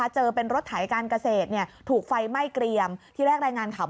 เจอเป็นรถไถการเกษตรถูกไฟไหม้เกรียมที่แรกรายงานข่าว